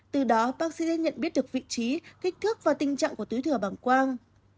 từ đó bác sĩ đã nhận biết được vị trí kích thước và tình trạng của túi thừa bằng quang